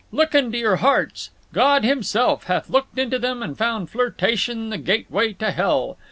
Look into your hearts. God Himself hath looked into them and found flirtation the gateway to hell.